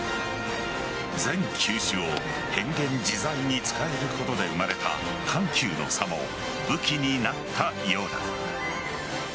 全球種を変幻自在に使えることで生まれた緩急の差も武器になったようだ。